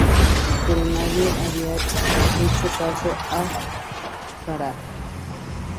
Pero nadie había hecho caso a Krafft.